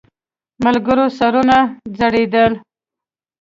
ملګرو سرونه ځړېدل.